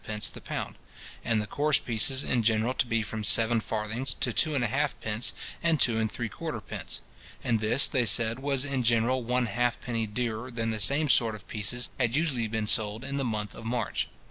the pound; and the coarse pieces in general to be from seven farthings to 2½d. and 2¾d.; and this, they said, was in general one halfpenny dearer than the same sort of pieces had usually been sold in the month of March.